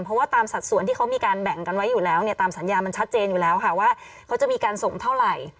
เพราะว่าตามสัดส่วนที่เขามีการแบ่งกันไว้อยู่แล้วเนี่ยตามสัญญามันชัดเจนอยู่แล้วค่ะว่าเขาจะมีการส่งเท่าไหร่